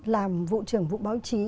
làm vụ trưởng vụ báo chí